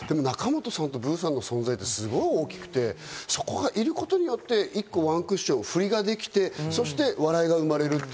仲本さんとブーさんの存在って、すごく大きくて、そこがいることによって、ワンクッション振りができて、そして笑いが生まれる。